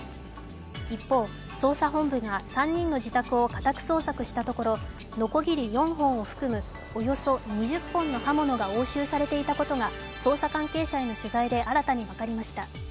一方、捜査本部が３人の自宅を家宅側索したところ、のこぎり４本を含む、およそ２０本の刃物が押収されていたことが捜査関係者への取材で新たに分かりました。